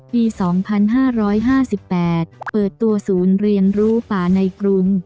ปีสองพันห้าร้อยห้าสิบแปดเปิดตัวศูนย์เรียนรู้ป่าในกรุง